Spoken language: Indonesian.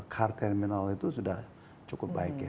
car terminal itu sudah cukup baik